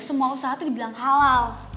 semua usaha itu dibilang halal